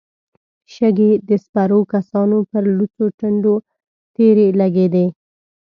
شګې د سپرو کسانو پر لوڅو ټنډو تېرې لګېدې.